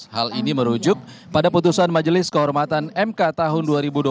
hal ini merujuk pada putusan majelis kehormatan mk tahun dua ribu dua puluh